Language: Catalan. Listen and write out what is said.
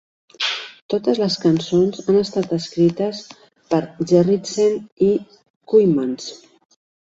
Totes les cançons han estat escrites per Gerritsen i Kooymans.